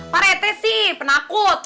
pak rt sih penakut